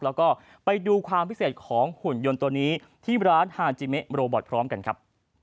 แล้วก็ไปดูความพิเศษของหุ่นยนต์ตัวนี้ที่ร้านฮาจิเมะโรบอทพร้อมกันครับ